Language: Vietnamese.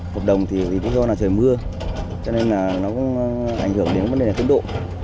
hợp đồng thì bây giờ là trời mưa cho nên là nó cũng ảnh hưởng đến vấn đề tiến độ